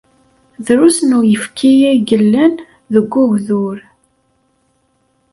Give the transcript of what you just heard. Drus n uyefki ay yellan deg ugdur.